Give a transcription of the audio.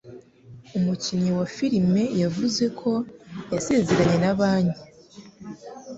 Umukinnyi wa filime yavuze ko yasezeranye na banki.